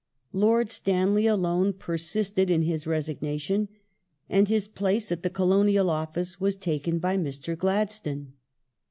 Lord Stanley alone persisted in his resignation, and his place at the Colonial Office was taken by Mr. Gladstone.